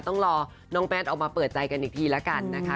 ต้องรอน้องแป้นออกมาเปิดใจกันอีกทีละกันนะคะ